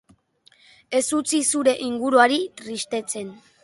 Ez utzi zure inguruari tristetzen.